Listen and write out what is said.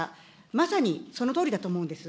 まさにそのとおりだと思うんです。